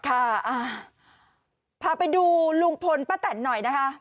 พาไปดูลุงพลป้าแตนหน่อยนะคะ